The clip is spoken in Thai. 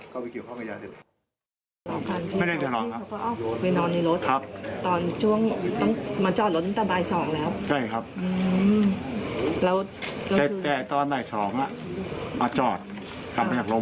คุณจะนอนข้างนอกบ่อยไหม